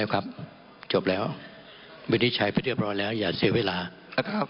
ครับจบแล้ววิธีใช้ไปเรียบร้อยแล้วอย่าเสียเวลาครับครับ